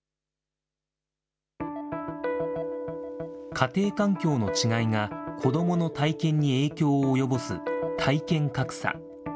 家庭環境の違いが子どもの体験に影響を及ぼす体験格差。